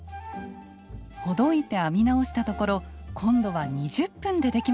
ほどいて編み直したところ今度は２０分でできました。